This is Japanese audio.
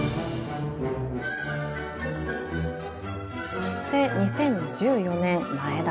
そして２０１４年前田さんです。